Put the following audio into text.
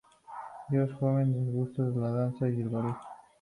Desde joven le gustó la danza y el ballet.